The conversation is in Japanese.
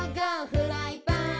「フライパン！」